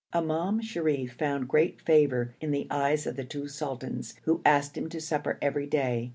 Imam Sharif found great favour in the eyes of the two sultans, who asked him to supper every day.